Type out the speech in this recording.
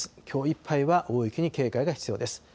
きょういっぱいは大雪に警戒が必要です。